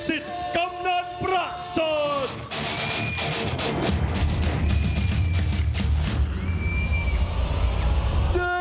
สิทธิ์กำลังพระเซอร์เชียม